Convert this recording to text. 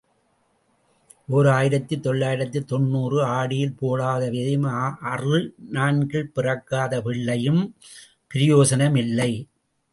ஓர் ஆயிரத்து தொள்ளாயிரத்து தொன்னூறு ஆடியில் போடாத விதையும் அறுநான்கில் பிறக்காத பிள்ளையும் பிரயோசனம் இல்லை.